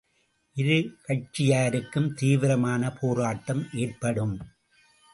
இருகட்சியாருக்கும் தீவிரமான போராட்டம் ஏற்படும்.